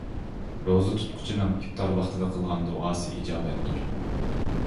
روزا تۇتقۇچىنىڭ ئىپتار ۋاقتىدا قىلغان دۇئاسى ئىجابەتتۇر.